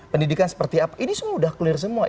pendidikan seperti apa ini semua sudah clear semua